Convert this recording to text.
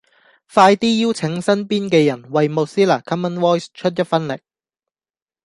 快啲邀請身邊嘅人為 Mozilla common voice 出一分力